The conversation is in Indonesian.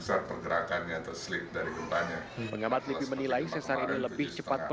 apakah itu yang tercepat dibandingkan dengan sesar sesar yang lain pak